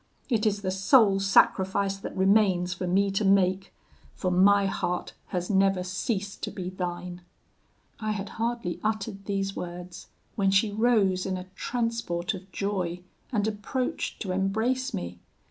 it is the sole sacrifice that remains for me to make, for my heart has never ceased to be thine.' "I had hardly uttered these words, when she rose in a transport of joy, and approached to embrace me.